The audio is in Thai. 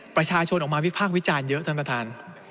ประชาชนออกมาวิพากษ์วิจารณ์เยอะท่านประธาน